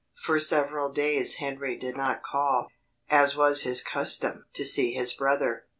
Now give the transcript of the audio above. For several days Henry did not call, as was his custom, to see his brother.